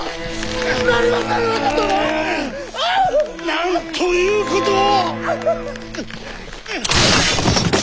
なんということを！